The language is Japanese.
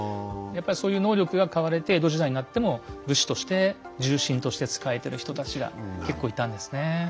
やっぱりそういう能力が買われて江戸時代になっても武士として重臣として仕えてる人たちが結構いたんですね。